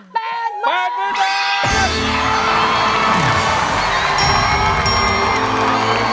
เป็นมือ